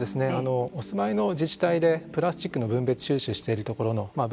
お住まいの自治体でプラスチックの分別収集しているところのまあ